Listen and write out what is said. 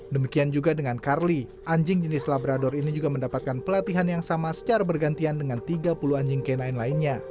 demikian juga dengan carly anjing jenis labrador ini juga mendapatkan pelatihan yang sama secara bergantian dengan tiga puluh anjing k sembilan lainnya